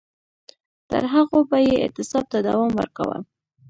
تر هغو به یې اعتصاب ته دوام ورکاوه.